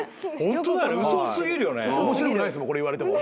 面白くないですもんこれ言われても。